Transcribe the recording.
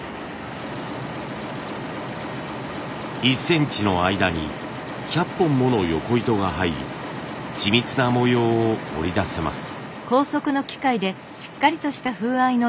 １センチの間に１００本ものよこ糸が入り緻密な模様を織り出せます。